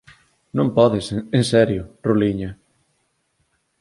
Non podes, en serio, ruliña.